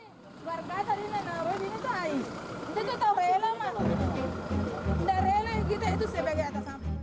keluarga tadi menaruh ini air itu tuh rela kita itu sebagian atas